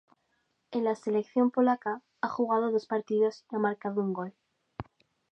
En la selección polaca ha jugado dos partidos y ha marcado un gol.